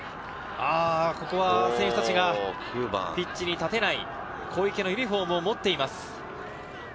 ここは選手達がピッチに立てない小池のユニホームを持っています。